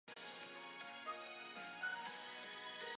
鉄道の乗り場は地下一階です。